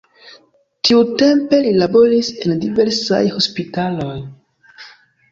Tiutempe li laboris en diversaj hospitaloj.